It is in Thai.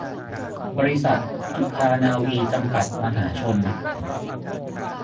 บริษัท จุฑานาวี จำกัด มหาชน